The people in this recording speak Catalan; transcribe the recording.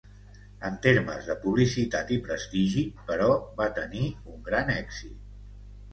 En termes de publicitat i prestigi, però, va tenir un gran èxit.